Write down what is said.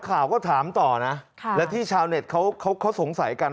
ข่าวก็ถามต่อนะและที่ชาวเน็ตเขาเขาสงสัยกัน